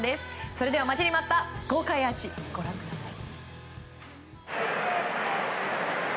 それでは、待ちに待った豪快アーチをご覧ください。